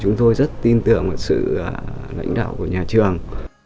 chúng tôi rất tin tưởng vào sự lãnh đạo của nhà trường